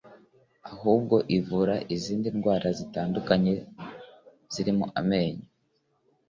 ahubwo ivura n’izindi ndwara zitandukanye zirimo amenyo